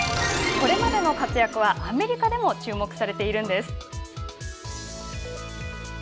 これまでの活躍はアメリカでも注目されているんです。